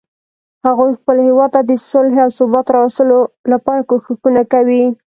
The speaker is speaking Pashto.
هغوی خپل هیواد ته د صلحې او ثبات راوستلو لپاره کوښښونه کوي